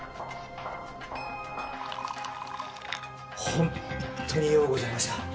本当にようございました。